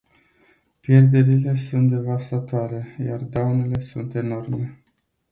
Pierderile sunt devastatoare, iar daunele sunt enorme.